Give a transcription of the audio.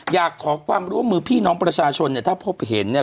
อยากขอความร่วมมือพี่น้องประชาชนเนี่ยถ้าพบเห็นเนี่ย